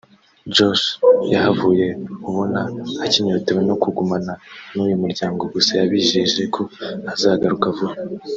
Josh yahavuye ubona akinyotewe no kugumana n’uyu muryango gusa yabijeje ko azagaruka vuba